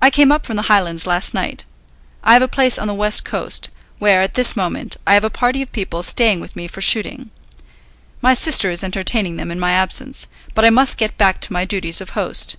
I came up from the Highlands last night. I have a place on the West Coast, where at this moment I have a party of people staying with me for shooting. My sister is entertaining them in my absence, but I must get back to my duties of host.